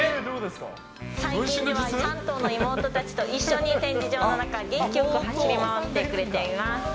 最近は３頭の妹たちと一緒に展示場の中を元気よく走り回ってくれています。